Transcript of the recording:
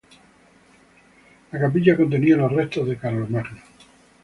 La capilla contenía los restos de Carlomagno.